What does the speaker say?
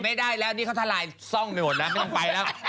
ไม่ได้แล้วนี่เขาทลายซ่องไปหมดแล้วไม่ต้องไปแล้ว